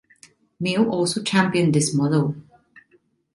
Mill also championed this model.